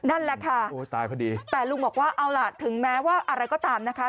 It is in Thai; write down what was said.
นั่นแหละค่ะแต่ลูกบอกว่าเอาล่ะถึงแม้ว่าอะไรก็ตามนะคะ